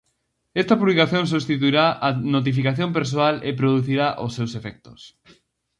Esta publicación substituirá a notificación persoal e producirá os seus efectos.